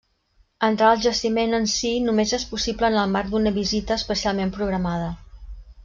Entrar al jaciment en si només és possible en el marc d'una visita especialment programada.